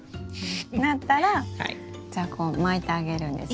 なったらじゃあこう巻いてあげるんですね？